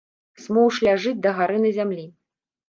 Смоўж ляжыць дагары на зямлі.